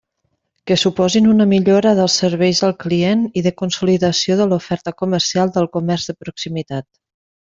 Que suposin una millora dels serveis al client i de consolidació de l'oferta comercial del comerç de proximitat.